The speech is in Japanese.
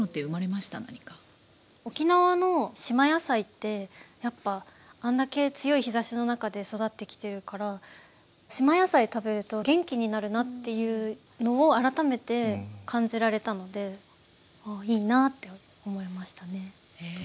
沖縄の島野菜ってやっぱあれだけ強い日ざしの中で育ってきてるからっていうのを改めて感じられたのでいいなぁって思いましたね。